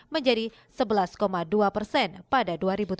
menjadi sebelas dua persen pada dua ribu tujuh belas